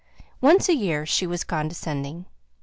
Once a year she was condescending.